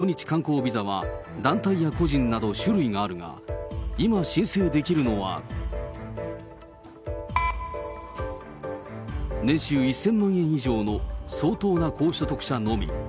主な訪日観光ビザは、団体や個人など種類があるが、今、申請できるのは、年収１０００万円以上の相当な高所得者のみ。